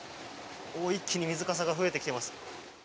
一気に水かさが増えてきています。